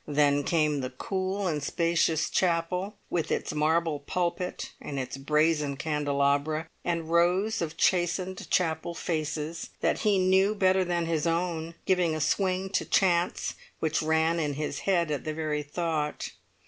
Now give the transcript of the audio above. Then came the cool and spacious chapel, with its marble pulpit and its brazen candelabra, and rows of chastened chapel faces, that he knew better than his own, giving a swing to chants which ran in his head at the very thought.